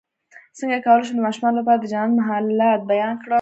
څنګه کولی شم د ماشومانو لپاره د جنت محلات بیان کړم